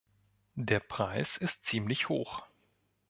Der Preis ist ziemlich hoch.